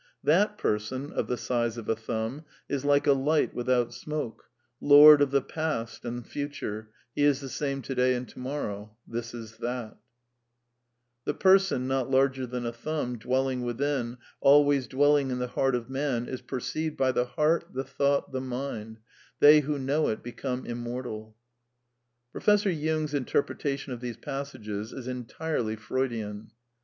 " That person, of the size of a thumb, is like a light without smoke, lord of the past and future, he is the same to day and to morrow. This is that." (Katha Upanishadj ii. 4.) "The person (puriisha), not larger than a thumb, dwelling within, always dwelling in the heart of man, is perceived by the heart, the thought, the mind ; they who know it become immor tal." {Svetdsvatara Upanishad, iii. 13.) Professor Jung's interpretation of these passages is en tirely Freudian.